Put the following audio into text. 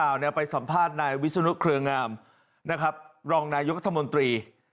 นักข่าวไปสัมภาษณ์นายวิศนุคเครืองามดรนายฤทธมนตรี